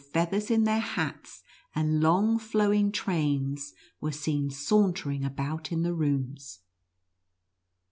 feathers in their hats, and long flowing trains, were seen sauntering about in the rooms.